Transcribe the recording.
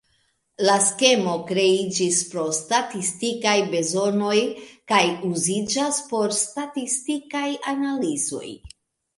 La skemo kreiĝis pro statistikaj bezonoj kaj uziĝas por statistikaj analizoj.